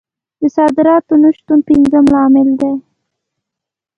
د صادراتو نه شتون پنځم لامل دی.